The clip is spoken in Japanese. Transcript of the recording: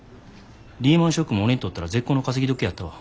リーマンショックも俺にとったら絶好の稼ぎ時やったわ。